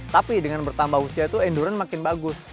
tapi dengan bertambah usia itu kemampuan saya makin bagus